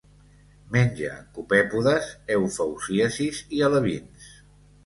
Menja copèpodes, eufausiacis i alevins.